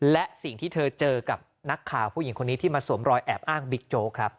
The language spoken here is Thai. และสิ่งที่เธอเจอกับนักข่าวผู้หญิงคนนี้ที่มาสวมรอยแอบอ้างบิ๊กโจ๊กครับ